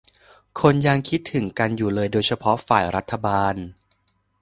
คนยังคิดถึงกันอยู่เลยโดยเฉพาะฝ่ายรัฐบาล